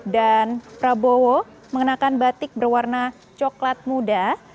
dan prabowo mengenakan batik berwarna coklat muda